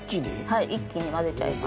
はい一気に混ぜちゃいます。